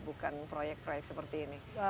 bukan proyek proyek seperti ini